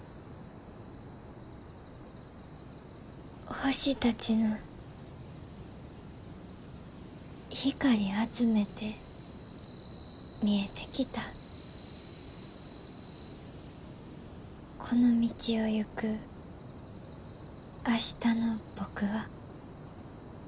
「星たちの光あつめて見えてきたこの道をいく明日の僕は」。